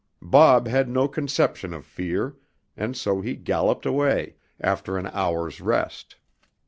"Bob" had no conception of fear, and so he galloped away, after an hour's rest.